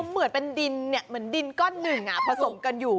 มันเหมือนดินก้อนหนึ่งผสมกันอยู่